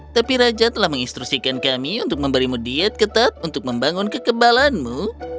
tapi raja telah menginstruksikan kami untuk memberimu diet ketat untuk membangun kekebalanmu